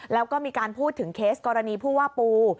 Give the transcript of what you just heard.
แล้วก็มีการพูดถึงเคสกรณีผู้ว่าปู